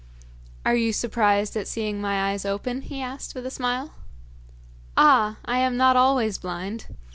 'Are you surprised at seeing my eyes open?' he asked, with a smile. 'Ah! I am not always blind.